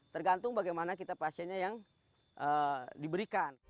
tergantung bagaimana kita pasiennya yang diberikan